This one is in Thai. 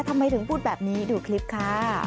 ทำไมถึงพูดแบบนี้ดูคลิปค่ะ